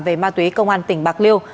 về ma túy công an tỉnh bạc liêu